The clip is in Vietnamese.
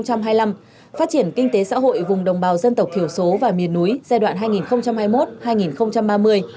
phát triển kinh tế xã hội vùng đồng bào dân tộc thiểu số và miền núi giai đoạn hai nghìn hai mươi một hai nghìn ba mươi